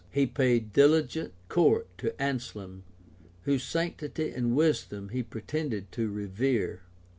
He paid diligent court to Anselm, whose sanctity and wisdom he pretended to revere.